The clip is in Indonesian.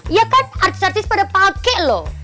iya kan artis artis pada pakai loh